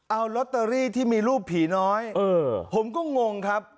เอาลอตเตอรี่ที่มีรูปผีน้อยผมก็งงครับ